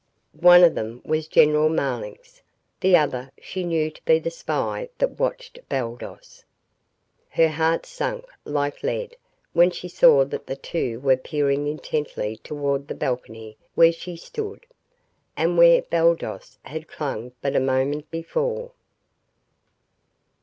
One of them was General Marlanx; the other she knew to be the spy that watched Baldos. Her heart sank like lead when she saw that the two were peering intently toward the balcony where she stood, and where Baldos had clung but a moment before.